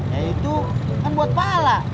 ya itu kan buat pahala